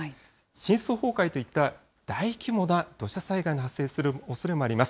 深層崩壊といった、大規模な土砂災害の発生するおそれもあります。